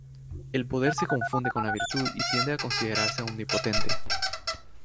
El poder se confunde con la virtud y tiende a considerarse omnipotente.